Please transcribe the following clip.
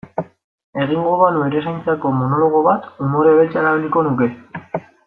Egingo banu erizainentzako monologo bat, umore beltza erabiliko nuke.